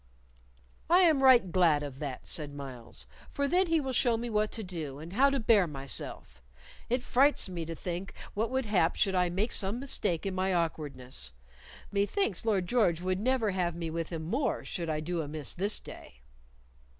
"I am right glad of that," said Myles; "for then he will show me what to do and how to bear myself. It frights me to think what would hap should I make some mistake in my awkwardness. Methinks Lord George would never have me with him more should I do amiss this day."